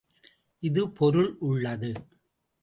இது பொருள் உளளது.